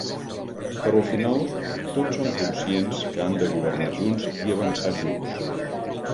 Però al final tots són conscients que han de governar junts i avançar junts.